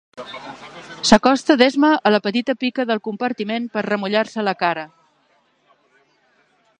S'acosta d'esma a la petita pica del compartiment per remullar-se la cara.